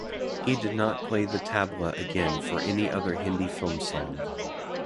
He did not play the tabla again for any other Hindi film song.